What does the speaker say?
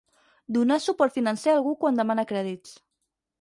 Donar suport financer algú quan demana crèdits.